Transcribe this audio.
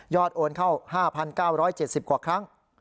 โอนเข้า๕๙๗๐กว่าครั้ง